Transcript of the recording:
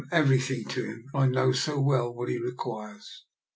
87 everything to him, and I know so well what he requires."